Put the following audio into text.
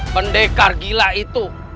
bendekar gila itu